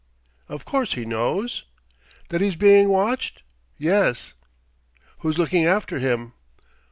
"Of course he knows?" "That he's being watched? Yes." "Who's looking after him?"